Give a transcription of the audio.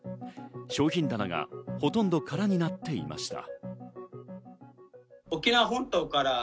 商品棚がほとんど空になっていました。